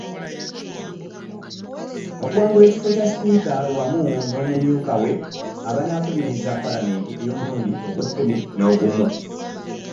Okuwangula ekifo kya Sipiika wamu n’omumyuka we abanaakubiriza Paliyamenti y’omulundi Ogwekkumi n’ogumu.